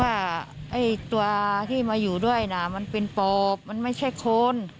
ว่าตัวที่มาอยู่ด้วยนะมันเป็นปอบมันไม่ใช่คน